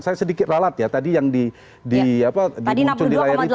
saya sedikit ralat ya tadi yang dimuncul di layar itu